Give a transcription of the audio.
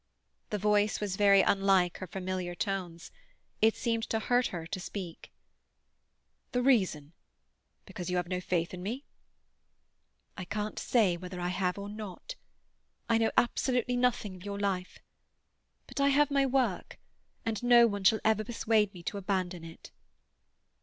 The voice was very unlike her familiar tones. It seemed to hurt her to speak. "The reason.—Because you have no faith in me?" "I can't say whether I have or not. I know absolutely nothing of your life. But I have my work, and no one shall ever persuade me to abandon it."